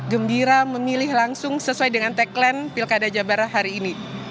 gembira memilih langsung sesuai dengan tagline pilkada jabar hari ini